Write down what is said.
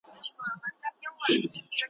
تا له تخم څخه جوړکړله تارونه `